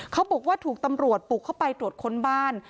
เขาบอกว่าถูกตำรวจปลุกเข้าไปตรวจค้นบ้าน